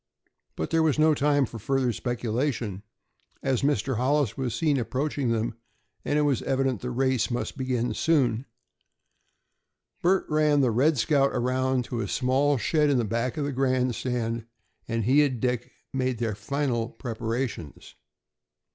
But there was no time for further speculation, as Mr. Hollis was seen approaching them, and it was evident the race must soon begin. Bert ran the "Red Scout" around to a small shed in back of the grandstand, and he and Dick made their final preparations.